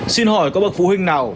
xin hỏi các bậc phụ huynh nào